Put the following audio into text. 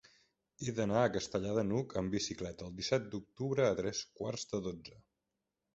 He d'anar a Castellar de n'Hug amb bicicleta el disset d'octubre a tres quarts de dotze.